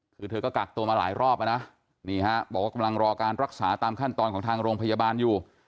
คือเธอก็กักตัวมาหลายรอบนะนี่ฮะบอกว่ากำลังรอการรักษาตามขั้นตอนของทางโรงพยาบาลอยู่